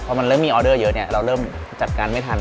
พอมันเริ่มมีออเดอร์เยอะเราเริ่มจัดการไม่ทัน